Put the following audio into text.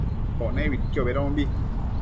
Pone uidquio bedombi